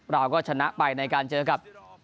เราก็ชนะไปในการเจอกับ